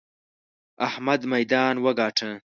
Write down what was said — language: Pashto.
احمد ميدان وګاټه!